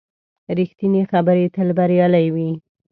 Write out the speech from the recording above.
ریښتینې خبرې تل بریالۍ وي.